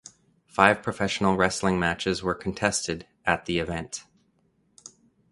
Five professional wrestling matches were contested at the event.